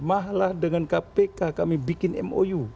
malah dengan kpk kami bikin mou